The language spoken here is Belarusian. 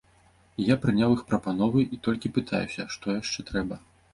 І я прыняў іх прапановы і толькі пытаюся, што яшчэ трэба.